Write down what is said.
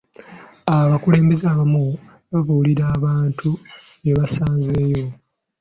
Abakulembeze abamu babuulira abantu bye basazeewo.